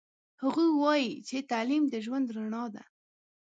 هغوی وایي چې تعلیم د ژوند رڼا ده